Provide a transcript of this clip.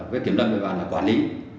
với kiểm lâm địa bàn là quản lý